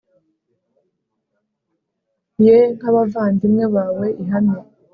yeee nk'abavandimwe bawe ihame